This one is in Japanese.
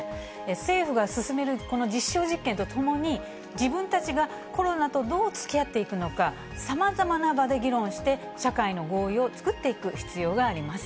政府が進めるこの実証実験とともに、自分たちがコロナとどうつきあっていくのか、さまざまな場で議論して、社会の合意を作っていく必要があります。